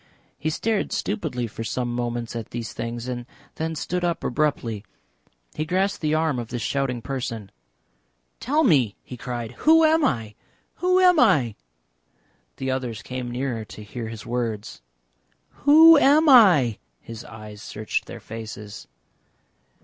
He stared stupidly for some moments at these things and then stood up abruptly; he grasped the arm of this shouting person. "Tell me!" he cried. "Who am I? Who am I?" The others came nearer to hear his words. "Who am I?" His eyes searched their faces.